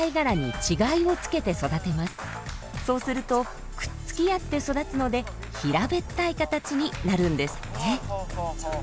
そうするとくっつき合って育つので平べったい形になるんですって。